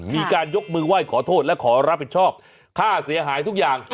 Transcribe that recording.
มีการยกมือไหว้ขอโทษและขอรับผิดชอบค่าเสียหายทุกอย่าง